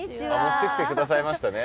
持ってきて下さいましたね。